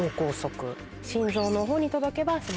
心臓の方に届けば。